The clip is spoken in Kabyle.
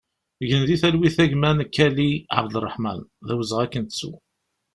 Gen di talwit a gma Nekali Abderraḥman, d awezɣi ad k-nettu!